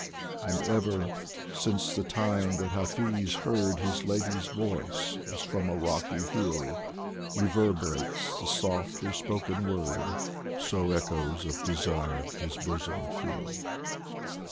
82 DIVAN OF HAFIZ And ever, since the time that Hafiz heard His Lady's voice, as from a rocky hill Reverberates the softly spoken word, So echoes of desire his bosom fill.